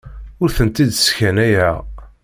Ur tent-id-sskanayeɣ.